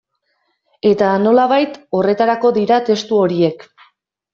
Eta, nolabait, horretarako dira testu horiek.